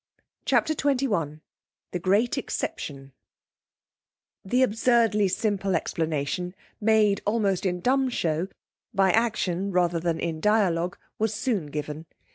CHAPTER XXI The Great Exception The absurdly simple explanation, made almost in dumb show, by action rather than in dialogue, was soon given.